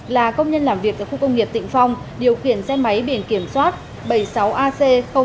là công nhân làm việc ở khu công nghiệp tịnh phong điều khiển xe máy biển kiểm soát bảy mươi sáu ac bốn trăm linh hai